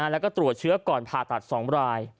แล้วก็ตรวจเชื้อก่อนผ่าตัด๒ราย